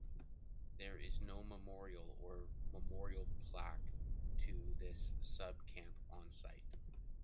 There is no memorial or memorial plaque to this subcamp on site.